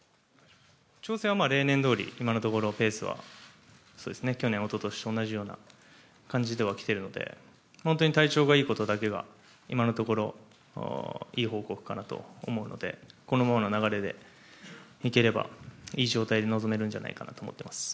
調整は例年どおり今のところベースは去年、一昨年と同じような感じでは来ているので本当に体調がいいことだけが今のところいい報告かなと思うのでこのままの流れでいければいい状態で臨めるのではと思っています。